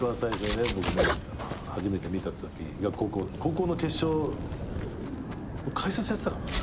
僕ね初めて見たときが高校高校の決勝解説やってたかな。